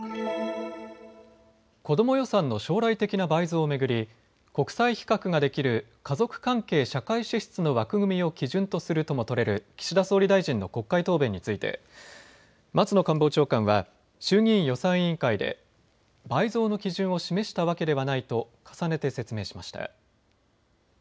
子ども予算の将来的な倍増を巡り国際比較ができる家族関係社会支出の枠組みを基準とするとも取れる岸田総理大臣の国会答弁について松野官房長官は衆議院予算委員会で倍増の基準を示したわけではないと重ねて説明しました。